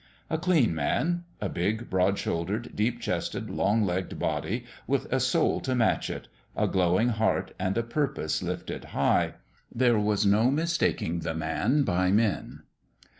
A clean man : a big, broad shouldered, deep chested, long legged body, with a soul to match it a glowing heart and a purpose lifted high. There was no mistaking the man by men.